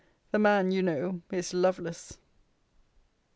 The man, you know, is LOVELACE.